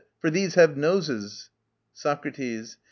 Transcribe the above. And these have noses. SOCRATES.